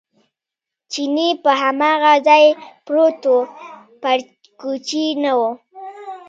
چیني په هماغه ځای پروت و، پر کوچې نه و.